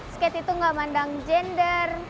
skate itu gak mandang gender